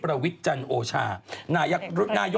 เพราะวันนี้หล่อนแต่งกันได้ยังเป็นสวย